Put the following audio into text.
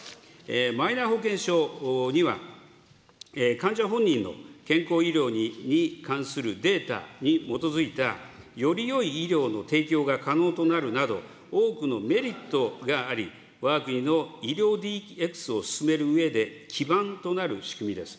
マイナ保険証には、患者本人の健康医療に関するデータに基づいたよりよい医療の提供が可能となるなど、多くのメリットがあり、わが国の医療ＤＸを進めるうえで基盤となる仕組みです。